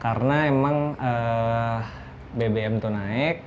karena memang bbm itu naik